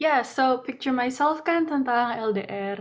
ya so picture myself kan tentang ldr